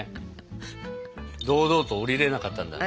堂々と下りれなかったんだね。